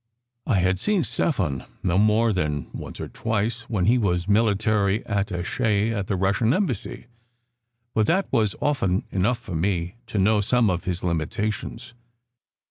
I had seen Stefan no more than once or twice, when he was military attache at the Russian Embassy, but that was often enough for me to know some of his limitations.